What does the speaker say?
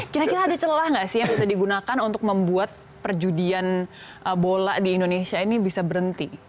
kira kira ada celah nggak sih yang bisa digunakan untuk membuat perjudian bola di indonesia ini bisa berhenti